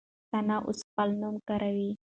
ثنا اوس خپل نوم نه کاروي.